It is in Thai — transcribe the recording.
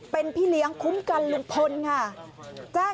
เป็นพี่เลี้ยงคุ้มกันลุงพลค่ะ